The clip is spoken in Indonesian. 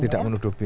tidak menuduh pin